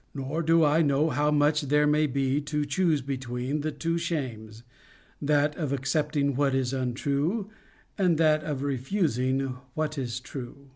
Nor do I know how much there may be to choose between the two shames that of accepting what is untrue, and that of refusing what is true.